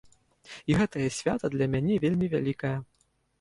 І гэтае свята для мяне вельмі вялікае.